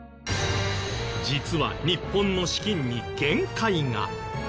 実は日本の資金に限界が。